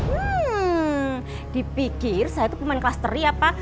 hmm dipikir saya tuh pemain kelas teri apa